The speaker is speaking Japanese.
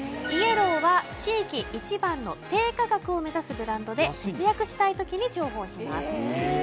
イエローは地域一番の低価格を目指すブランドで節約したい時に重宝します